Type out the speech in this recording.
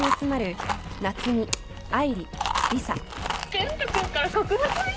健人君から告白！？